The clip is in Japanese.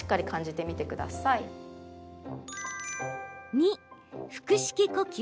２、腹式呼吸。